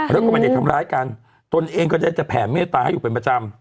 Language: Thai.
แล้วก็ไม่ได้ทำร้ายกันตนเองก็ได้แต่แผ่เมตตาให้อยู่เป็นประจำ